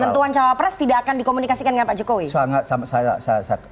penentuan cawapres tidak akan dikomunikasikan dengan pak jokowi